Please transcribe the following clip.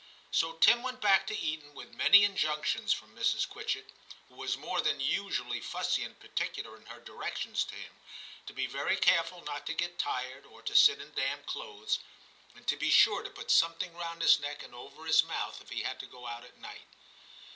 So Tim went back to Eton with many injunctions from Mrs. Quitchett, who was more than usually fussy and particular in her directions to him, to be very careful not to get tired or to sit in damp clothes, and to be sure to put something R 242 TIM CHAP. round his neck and over his mouth if he had to go out at night.